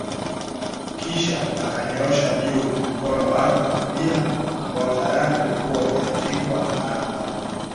Kisha akanyoosha juu mkono wake wa kulia ambao tayari ulikuwa umeandikwa namba